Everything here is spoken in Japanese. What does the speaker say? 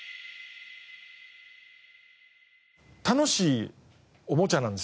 楽しいおもちゃなんですよ。